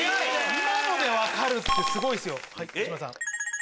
今ので分かるってすごいっすよ。